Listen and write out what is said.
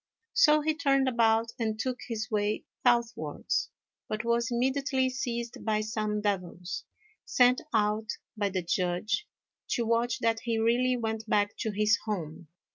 So he turned about and took his way southwards, but was immediately seized by some devils, sent out by the Judge to watch that he really went back to his home.